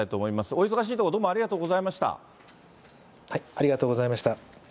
お忙しいところ、どうもありがとありがとうございました。